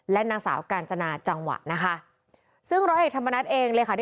และนางสาวการจนาจังหวะนะคะซึ่งต้องให้ทำบานแน็ตเอง